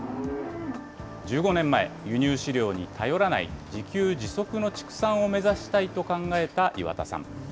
１５年前、輸入飼料に頼らない、自給自足の畜産を目指したいと考えた岩田さん。